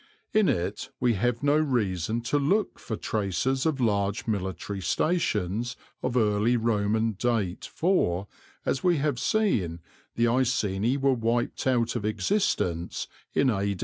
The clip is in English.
In it we have no reason to look for traces of large military stations of early Roman date for, as we have seen, the Iceni were wiped out of existence in A.